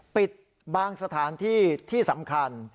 ปิดบางสถานที่ที่สำคัญ